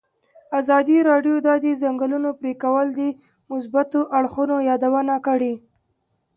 ازادي راډیو د د ځنګلونو پرېکول د مثبتو اړخونو یادونه کړې.